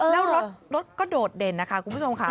แล้วรถก็โดดเด่นนะคะคุณผู้ชมค่ะ